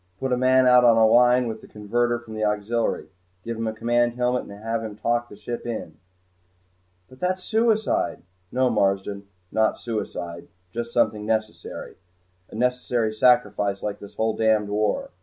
"Put a man out on a line with the converter from the auxiliary. Give him a command helmet and have him talk the ship in." "But that's suicide!" "No, Marsden, not suicide just something necessary. A necessary sacrifice, like this whole damned war!